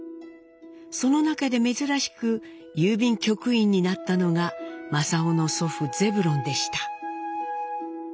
その中で珍しく郵便局員になったのが正雄の祖父ゼブロンでした。